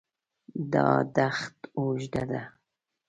دا دښت اوږده ده.